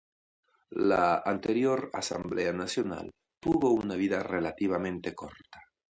La anterior Asamblea Nacional tuvo una vida relativamente corta.